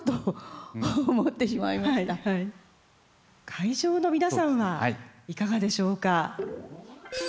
会場の皆さんはいかがでしょうか？